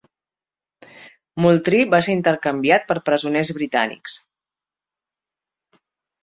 Moultrie va ser intercanviat per presoners britànics.